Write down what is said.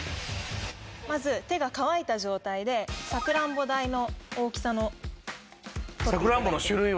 まず手が乾いた状態でさくらんぼ大の大きさの。